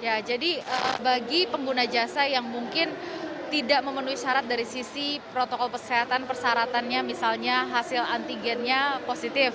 ya jadi bagi pengguna jasa yang mungkin tidak memenuhi syarat dari sisi protokol kesehatan persyaratannya misalnya hasil antigennya positif